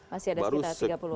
masih ada sekitar tiga puluh